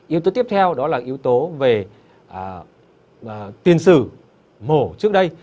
yếu tố tiếp theo đó là yếu tố về tiền sử mổ trước đây